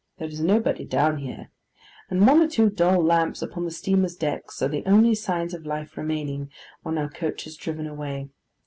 There is nobody down here; and one or two dull lamps upon the steamer's decks are the only signs of life remaining, when our coach has driven away.